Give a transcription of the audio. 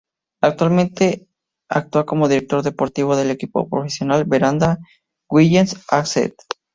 Actualmente actúa como director deportivo del equipo profesional Veranda´s Willems-Accent.